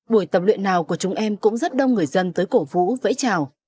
buổi tập luyện nào của chúng em cũng rất đông người dân tới cổ vũ vẫy chào